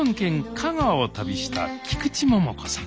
香川を旅した菊池桃子さん